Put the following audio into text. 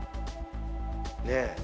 ねえ。